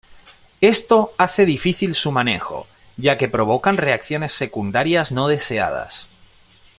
Esto hace difícil su manejo ya que provocan reacciones secundarias no deseadas.